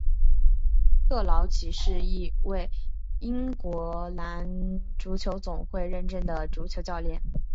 克劳奇是一位英格兰足球总会认证的足球教练。